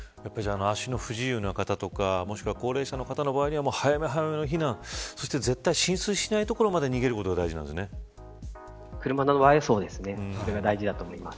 足の不自由な方とかもしくは高齢者の方の場合は早め早めの避難そして、絶対に浸水しない所まで車の場合はそれが大事だと思います。